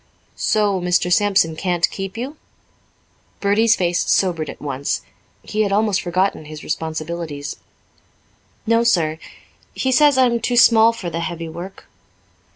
"So Mr. Sampson can't keep you?" Bertie's face sobered at once. He had almost forgotten his responsibilities. "No, sir. He says I'm too small for the heavy work."